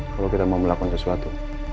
kalau kita mau melakukan sesuatu